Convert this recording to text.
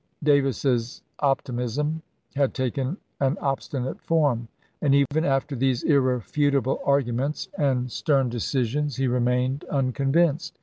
Davis's optimism had taken an obstinate form, and even after these irrefutable arguments and stern decisions he remained unconvinced.